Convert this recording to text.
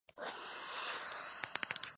Es conocido como el Däniken checo.